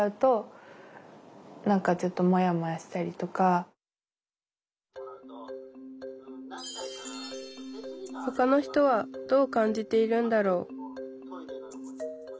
例えばほかの人はどう感じているんだろう？